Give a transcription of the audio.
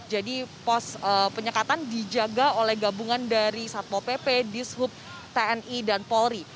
jadi pos penyekatan dijaga oleh gabungan dari satpo pp dishub tni dan polri